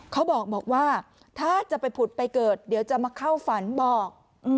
เขาบอกว่าถ้าจะไปผุดไปเกิดเดี๋ยวจะมาเข้าฝันบอก